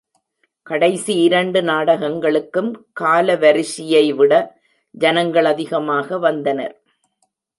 கடைசி இரண்டு நாடகங்களுக்கும் காலவரிஷி யைவிட ஜனங்கள் அதிகமாக வந்தனர்.